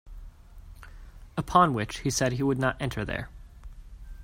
Upon which he said he would not enter there.